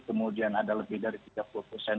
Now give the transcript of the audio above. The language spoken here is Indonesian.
kemudian ada lebih dari tiga puluh persen